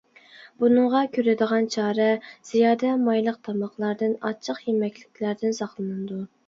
بۇنىڭغا كۆرىدىغان چارە: زىيادە مايلىق تاماقلاردىن، ئاچچىق يېمەكلەردىن ساقلىنىدۇ.